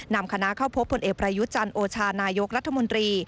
นำคณะเข้าพบผลเอกประยุจันทร์โอชานายกรัฐมนตรี